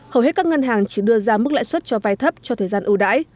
hầu hết các ngân hàng chỉ đưa ra mức lãi suất cho vai thấp cho thời gian ưu đãi